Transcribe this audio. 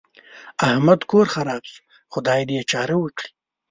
احمد کور خراپ شو؛ خدای دې يې چاره وکړي.